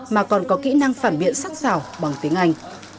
mà còn có kỹ năng phản biện sắc xảo bằng tiếng anh